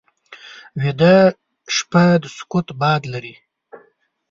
ویده شپه د سکوت باد لري